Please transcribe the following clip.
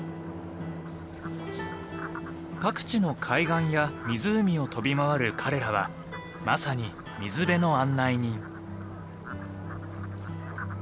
各地の海岸や湖を飛び回る彼らはまさに水辺の案内人。